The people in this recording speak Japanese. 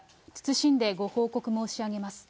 謹んでご報告申し上げます。